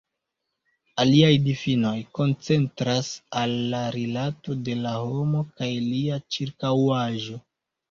Aliaj difinoj koncentras al la rilato de la homo kaj lia ĉirkaŭaĵo.